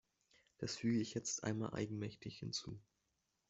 Das füge ich jetzt einmal eigenmächtig hinzu.